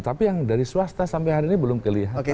tapi yang dari swasta sampai hari ini belum kelihatan